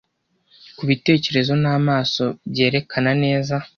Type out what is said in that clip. kubitekerezo n'amaso byerekana neza